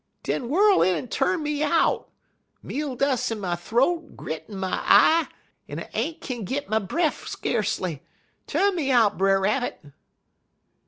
"'Den whirl in en tu'n me out. Meal dus' in my th'oat, grit in my eye, en I ain't kin git my breff, skacely. Tu'n me out, Brer Rabbit.'